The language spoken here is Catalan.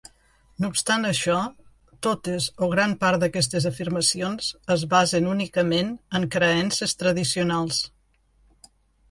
No obstant això, totes o gran part d'aquestes afirmacions es basen únicament en creences tradicionals.